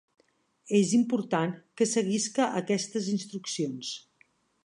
És important que seguisca aquestes instruccions.